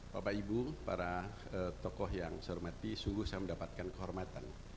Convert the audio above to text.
bapak ibu para tokoh yang saya hormati sungguh saya mendapatkan kehormatan